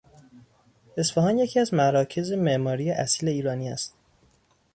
اصفهان یکی از مراکز معماری اصیل ایرانی است.